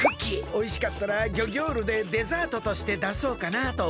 おいしかったらギョギョールでデザートとしてだそうかなとおもってるんだけど。